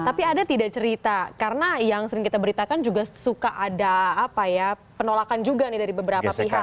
tapi ada tidak cerita karena yang sering kita beritakan juga suka ada penolakan juga nih dari beberapa pihak